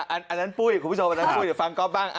อ้านั้นปุ้ยคุณผู้ชมครับฟังก๊อฟบ้าง